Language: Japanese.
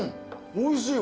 おいしいわ。